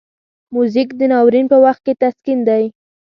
موزیک د ناورین په وخت کې تسکین دی.